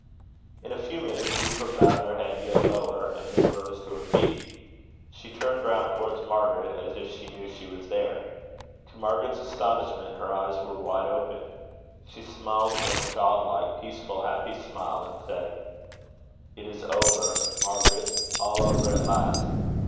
In a few minutes Euphra bowed her head yet lower, and then rose to her feet. She turned round towards Margaret, as if she knew she was there. To Margaret's astonishment, her eyes were wide open. She smiled a most child like, peaceful, happy smile, and said: "It is over, Margaret, all over at last.